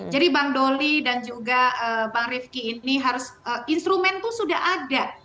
jadi bang dolly dan juga bang rifki ini harus instrumen itu sudah ada